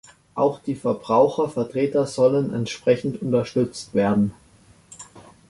Auch die Verbrauchervertreter sollen entsprechend unterstützt werden.